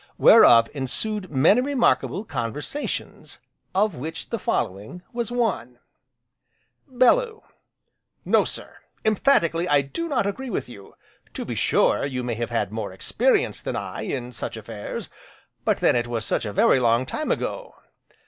Whereof ensued many remarkable conversations of which the following, was one: BELLEW: No sir, emphatically I do not agree with you. To be sure, you may have had more experience than I, in such affairs, but then, it was such a very long time ago.